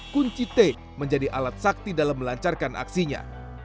kunci t menjadi alat sakti dalam melancarkan aksinya